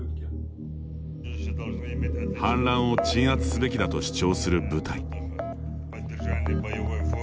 反乱を鎮圧すべきだと主張する部隊。